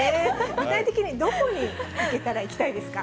具体的にどこに行けたら行きたいですか？